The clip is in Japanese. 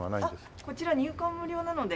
あっこちら入館無料なので。